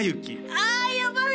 あやばい！